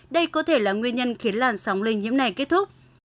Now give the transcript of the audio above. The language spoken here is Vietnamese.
đây có thể là nguyên nhân khiến làn sóng lây nhiễm này kết thúc